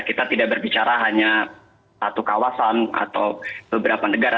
kita tidak berbicara hanya satu kawasan atau beberapa negara